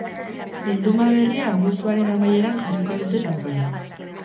Bilduma berria abuztuaren amaieran jarriko dute salgai.